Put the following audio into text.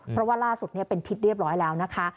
เพราะว่าล่าสุดเป็นทิศเรียบร้อยแล้วนะคะ